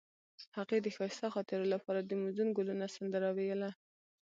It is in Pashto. هغې د ښایسته خاطرو لپاره د موزون ګلونه سندره ویله.